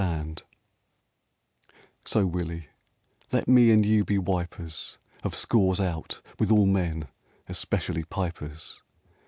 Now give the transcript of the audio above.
[1S2] RAINBOW GOLD XV So, Willy, let me and you be wipers Of scores out with all men especially pipers